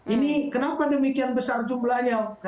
ini kenapa demikian besar jumlahnya